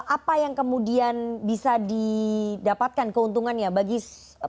apa yang kemudian bisa didapatkan keuntungannya bagi seorang pemerintah